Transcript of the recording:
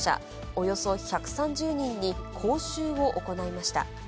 およそ１３０人に講習を行いました。